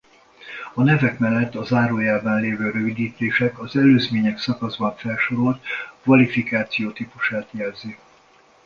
A nevek mellett a zárójelben levő rövidítés az Előzmények szakaszban felsorolt kvalifikáció típusát jelzi.